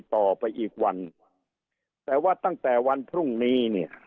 ต่อไปอีกวันแต่ว่าตั้งแต่วันพรุ่งนี้เนี่ย